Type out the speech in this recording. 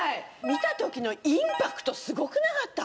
見た時のインパクトすごくなかった？